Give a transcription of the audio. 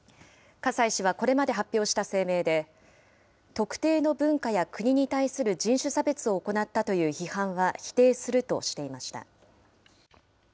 葛西氏はこれまで発表した声明で、特定の文化や国に対する人種差別を行ったという批判は否定するとしていました。